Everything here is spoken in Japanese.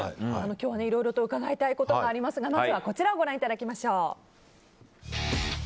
今日はいろいろ伺いたいことありますがまずは、こちらをご覧いただきましょう。